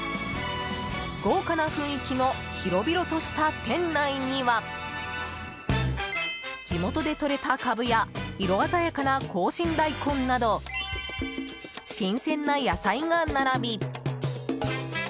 豪華な雰囲気の広々とした店内には地元でとれたカブや色鮮やかな紅芯大根など新鮮な野菜が並び。